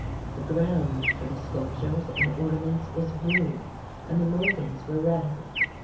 The ground for the sculptures and ornaments was blue, and the mouldings were red.